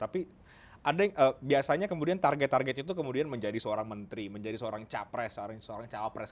tapi biasanya target targetnya itu kemudian menjadi seorang menteri menjadi seorang capres seorang cawapres